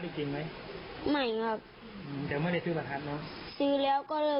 พ่อได้บอกไหมว่าที่ตีเราเพราะอะไร